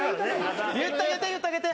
言ってあげて言ってあげて。